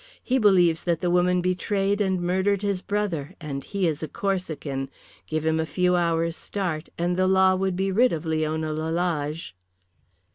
He believes that the woman betrayed and murdered his brother, and he is a Corsican. Give him a few hours' start, and the law would be rid of Leona Lalage."